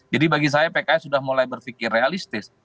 jadi bagi saya pks sudah mulai berfikir realistis